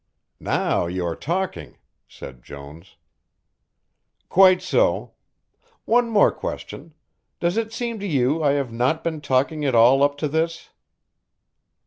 "Now you are talking," said Jones. "Quite so One more question, does it seem to you I have not been talking at all up to this?"